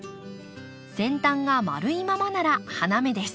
先端が丸いままなら花芽です。